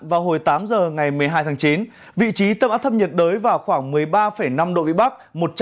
vào hồi tám giờ ngày một mươi hai tháng chín vị trí tâm áp thấp nhiệt đới vào khoảng một mươi ba năm độ vĩ bắc